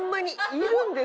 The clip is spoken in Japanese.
いるんです。